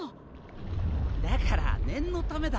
だから念のためだって。